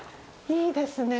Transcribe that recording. いいですね